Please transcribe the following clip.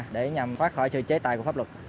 để nhằm thoát khỏi sự chế tài của pháp luật